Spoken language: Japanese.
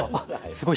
すごい。